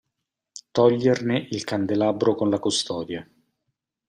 Toglierne il candelabro con la custodia.